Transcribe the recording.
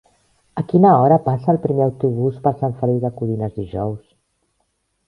A quina hora passa el primer autobús per Sant Feliu de Codines dijous?